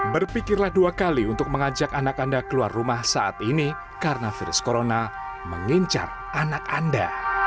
berpikirlah dua kali untuk mengajak anak anda keluar rumah saat ini karena virus corona mengincar anak anda